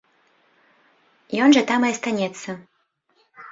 Ён жа там і астанецца.